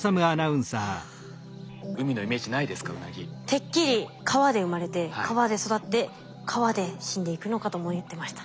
てっきり川で生まれて川で育って川で死んでいくのかと思ってました。